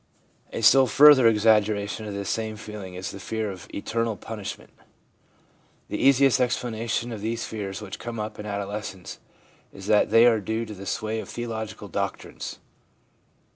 A still further exaggeration of this same feeling is the fear of eternal punishment. The easiest explanation of these fears which come up in adolescence is that they are due to the sway of theological doctrines.